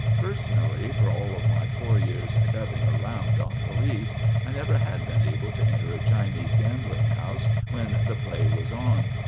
Personally, for all of my four years' dubbing around on police, I never had been able to enter a Chinese gambling house when the play was on.